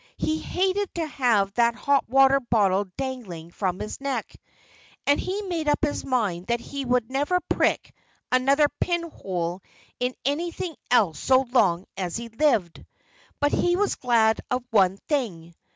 He hated to have that hot water bottle dangling from his neck. And he made up his mind that he would never prick another pin hole in anything else so long as he lived. But he was glad of one thing.